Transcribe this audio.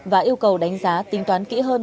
và yêu cầu đánh giá tính toán kỹ hơn